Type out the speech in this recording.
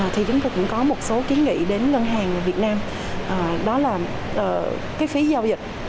thì chúng tôi cũng có một số kiến nghị đến ngân hàng việt nam đó là cái phí giao dịch